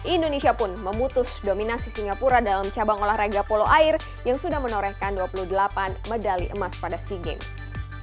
indonesia pun memutus dominasi singapura dalam cabang olahraga polo air yang sudah menorehkan dua puluh delapan medali emas pada sea games